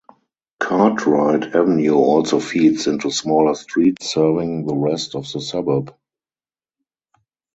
Cartwright Avenue also feeds into smaller streets serving the rest of the suburb.